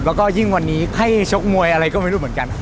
แล้วก็ยิ่งวันนี้ให้ชกมวยอะไรก็ไม่รู้เหมือนกัน